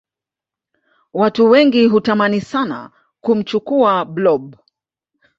Watu wengi hutamani sana kumchukua blob